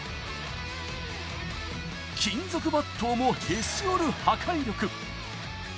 金属バットをもへし折る破壊力。